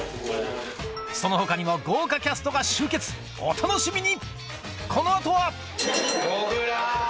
その他にも豪華キャストが集結お楽しみに！